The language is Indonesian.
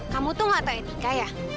kamu tuh gak tau etika ya